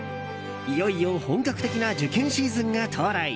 いよいよ本格的な受験シーズンが到来。